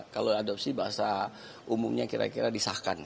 kalau adopsi bahasa umumnya kira kira disahkan